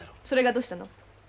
それがどうしたの！